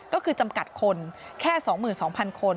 ก็คือจำกัดคนแค่๒๒๐๐คน